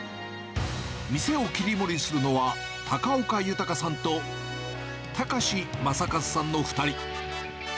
店を切り盛りするのは、高岡豊さんと、たかし雅一さんの２人。